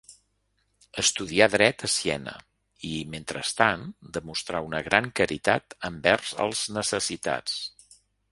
Estudià dret a Siena i, mentrestant, demostrà una gran caritat envers els necessitats.